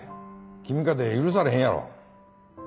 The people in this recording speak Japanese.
君かて許されへんやろ。